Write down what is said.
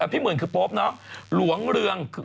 พี่หมื่นคือโป๊ปเนอะหลวงเรือง